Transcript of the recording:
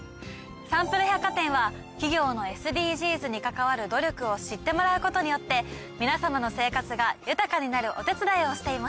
サンプル百貨店は企業のＳＤＧｓに関わる努力を知ってもらうことによって皆さまの生活が豊かになるお手伝いをしています。